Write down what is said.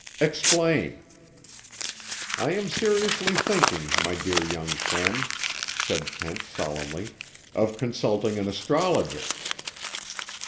"Explain." "I am seriously thinking, my dear young friend," said Kent solemnly, "of consulting an astrologer."